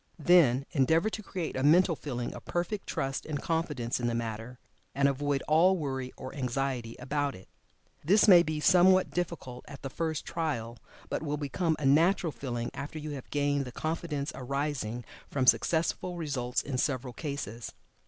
Then, endeavor to create a mental feeling of perfect trust and confidence in the matter, and avoid all worry or anxiety about it. This may be somewhat difficult at the first trial, but will become a natural feeling after you have gained the confidence arising from successful results in several cases.